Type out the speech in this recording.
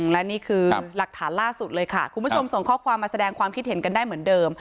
และนี่คือหลักฐานล่าสุดเลยค่ะคุณผู้ชมส่งข้อความมาแสดงความคิดเห็นกันได้เหมือนเดิม